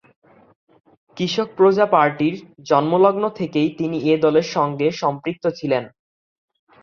কৃষক প্রজা পার্টির জন্মলগ্ন থেকেই তিনি এ দলের সঙ্গে সম্পৃক্ত ছিলেন।